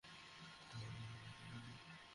এটার মূল্য কত জানেন?